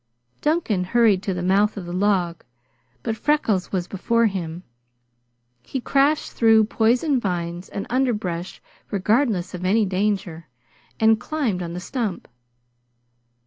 Duncan hurried to the mouth of the log, but Freckles was before him. He crashed through poison vines and underbrush regardless of any danger, and climbed on the stump.